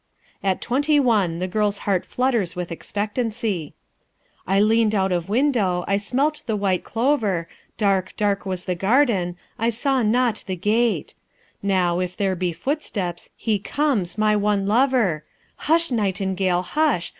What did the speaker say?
At twenty one the girl's heart flutters with expectancy: "I leaned out of window, I smelt the white clover, Dark, dark was the garden, I saw not the gate; Now, if there be footsteps, he comes, my one lover; Hush nightingale, hush!